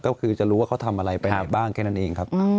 ก็คือจะรู้ว่าเขาทำอะไรไปไหนบ้างแค่นั้นเองครับ